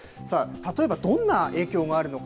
例えば、どんな影響があるのか。